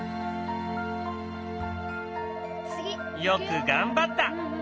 よく頑張った！